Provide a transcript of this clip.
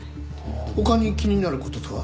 他に気になる事とは？